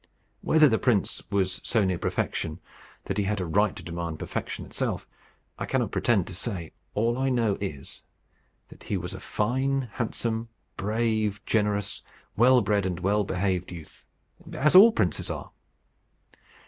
Whether the prince was so near perfection that he had a right to demand perfection itself, I cannot pretend to say. All I know is, that he was a fine, handsome, brave, generous, well bred, and well behaved youth, as all princes are.